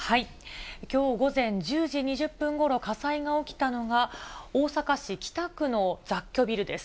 きょう午前１０時２０分ごろ火災が起きたのが、大阪市北区の雑居ビルです。